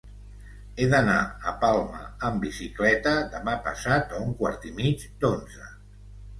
He d'anar a Palma amb bicicleta demà passat a un quart i mig d'onze.